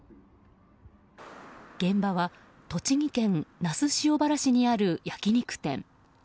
現場は栃木県那須塩原市にある焼き肉店。